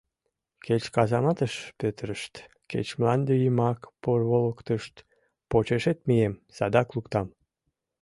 — Кеч казаматыш петырышт, кеч мланде йымак порволыктышт — почешет мием, садак луктам.